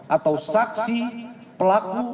atau saksi pelaku